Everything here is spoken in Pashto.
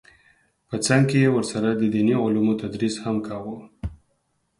په څنګ کې یې ورسره د دیني علومو تدریس هم کاوه